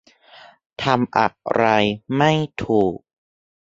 ทำอะไรไม่ถูก